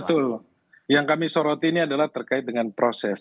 betul yang kami soroti ini adalah terkait dengan proses